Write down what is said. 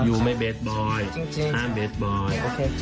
ยูไม่เบสบอยห้ามเบสบอย